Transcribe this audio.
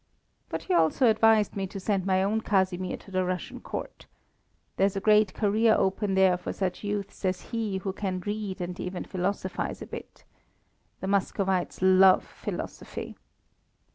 But he also advised me to send my own Casimir to the Russian court. There's a great career open there for such youths as he who can read and even philosophize a bit. The Muscovites love philosophy.